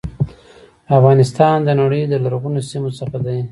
افغانستان د نړی د لرغونو سیمو څخه دی.